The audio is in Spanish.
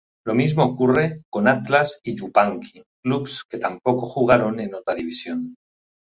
Lo mismo ocurre con Atlas y Yupanqui, clubes que tampoco jugaron en otra división.